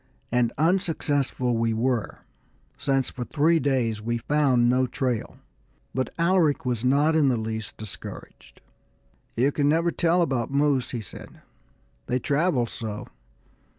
And unsuccessful we were, since for three days we found no trail. But Alaric was not in the least discouraged. "You can never tell about moose," he said; "they travel so.